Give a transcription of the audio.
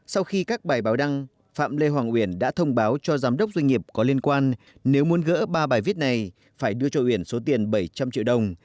sau khi các bài báo đăng phạm lê hoàng uyển đã thông báo cho giám đốc doanh nghiệp có liên quan nếu muốn gỡ ba bài viết này phải đưa cho uyển số tiền bảy trăm linh triệu đồng